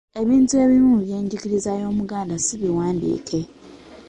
Ebintu ebimu mu by’enjigiriza y’Omuganda si biwandiike.